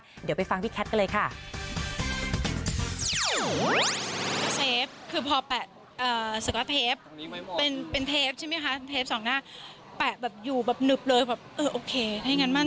แม่หน้าฝรั่งแม่ใส่ได้แบบหรอจะดีหรอลองดูเป็นแนวฝรั่งไป